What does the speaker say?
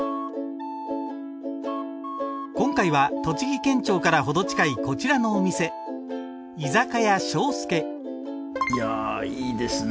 今回は栃木県庁から程近いこちらのお店居酒屋庄助いやいいですね